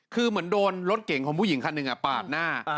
คือเหมือนโดนรถเก่งของผู้หญิงคันหนึ่งปาดหน้า